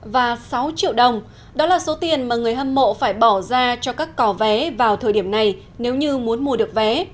và sáu triệu đồng đó là số tiền mà người hâm mộ phải bỏ ra cho các cỏ vé vào thời điểm này nếu như muốn mua được vé